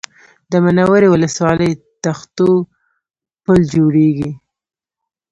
د منورې ولسوالۍ تختو پل جوړېږي